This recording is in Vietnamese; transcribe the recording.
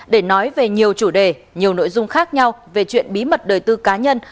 để nói về nhiều chủ đề nhiều nội dung khác nhau về chuyện bí mật đời tư cá nhân